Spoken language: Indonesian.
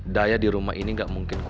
daya di rumah ini gak mungkin kembali